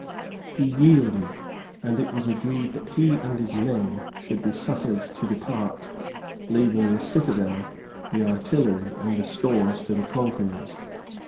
He yielded, and it was agreed that he and his men should be suffered to depart, leaving the citadel, the artillery, and the stores to the conquerors.